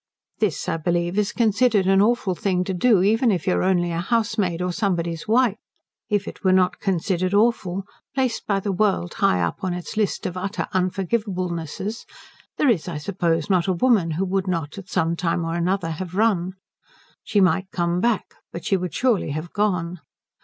This, I believe, is considered an awful thing to do even if you are only a housemaid or somebody's wife. If it were not considered awful, placed by the world high up on its list of Utter Unforgivablenesses, there is, I suppose, not a woman who would not at some time or other have run. She might come back, but she would surely have gone.